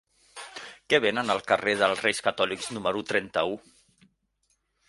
Què venen al carrer dels Reis Catòlics número trenta-u?